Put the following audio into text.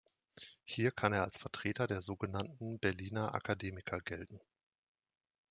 Hier kann er als Vertreter der so genannten Berliner Akademiker gelten.